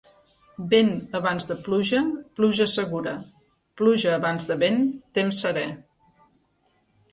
Vent abans de pluja, pluja segura; pluja abans de vent, temps serè.